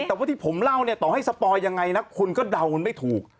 แต่ว่าที่ผมเล่าเนี่ยต่อให้สปอยยังไงนะคุณก็เดามันไม่ถูก